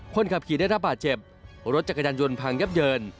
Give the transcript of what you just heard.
คนขับขี่ได้รับบาดเจ็บรถจักรยานยนต์พังยับเยิน